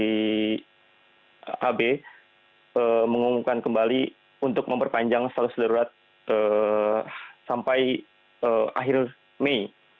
pemerintah jepang melalui perdana menteri ab mengumumkan kembali untuk memperpanjang status darurat sampai akhir mei